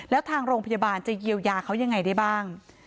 แล้วทางโรงพยาบาลจะเยียวยาเขายังไงได้บ้าง